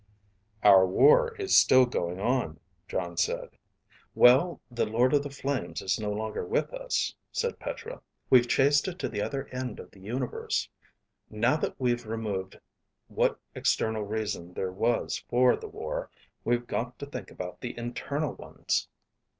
"Our war is still going on," Jon said. "Well, the Lord of the Flames is no longer with us," said Petra. "We've chased it to the other end of the universe. Now that we've removed what external reason there was for the war, we've got to think about the internal ones."